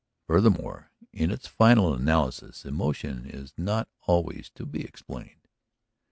Furthermore, in its final analysis, emotion is not always to be explained.